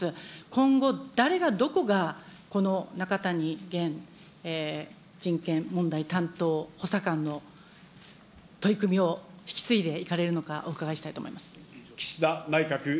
今後、誰が、どこがこの中谷元人権問題担当補佐官の取り組みを引き継いでいかれるのか、お伺いしたいと思います。